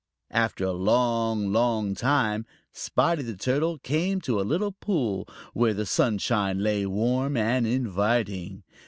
After a long, long time, Spotty the Turtle came to a little pool where the sunshine lay warm and inviting.